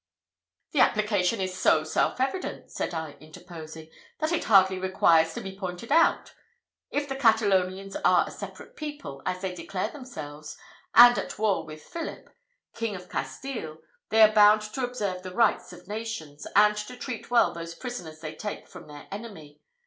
"The application is so self evident," said I, interposing, "that it hardly requires to be pointed out. If the Catalonians are a separate people, as they declare themselves, and at war with Philip, King of Castile, they are bound to observe the rights of nations, and to treat well those prisoners they take from their enemy.